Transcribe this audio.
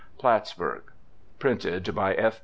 Plattsburgh. Printed by F.